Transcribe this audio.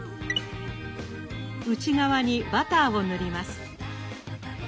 内側にバターを塗ります。